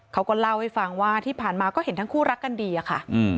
เขาก็เล่าให้ฟังว่าที่ผ่านมาก็เห็นทั้งคู่รักกันดีอะค่ะ